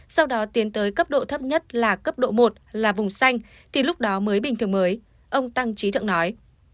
sau đó tiến tới cấp độ thấp nhất là cấp độ một là vùng xanh thì lúc đó mới bình thường mới ông tăng trí thượng nói